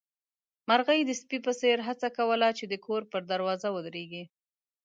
مرغۍ د سپي په څېر هڅه کوله چې د کور پر دروازه ودرېږي.